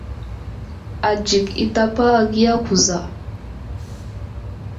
Adzik i tapa agiya kuza.